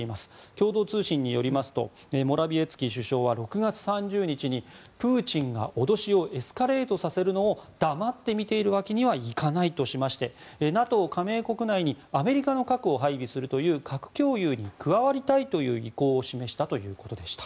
共同通信によりますとモラビエツキ首相は６月３０日にプーチンが脅しをエスカレートさせるのを黙って見ているわけにはいかないとしましてＮＡＴＯ加盟国内にアメリカの核を配備するという核共有に加わりたいという意向を示したということでした。